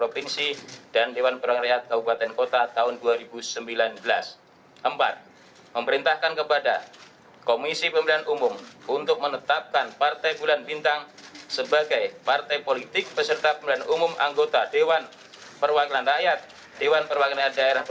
menimbang bahwa pasal lima belas ayat satu pkpu no enam tahun dua ribu delapan belas tentang pendaftaran verifikasi dan pendatapan partai politik peserta pemilihan umum anggota dewan perwakilan rakyat daerah